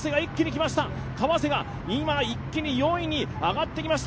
川瀬が今、一気に４位に上がってきました。